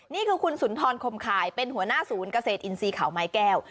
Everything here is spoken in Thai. นี่คือคุณสุนทรคมข่ายเป็นหัวหน้าศูนย์เกษตรอินทรีย์เขาไม้แก้ว